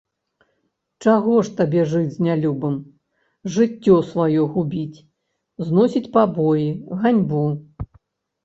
Чаго ж табе жыць з нялюбым, жыццё сваё губіць, зносіць пабоі, ганьбу?